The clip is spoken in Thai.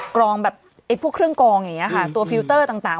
กรองแบบไอ้พวกเครื่องกองอย่างนี้ค่ะตัวฟิลเตอร์ต่าง